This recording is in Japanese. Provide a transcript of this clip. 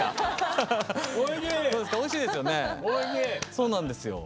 そうなんですよ。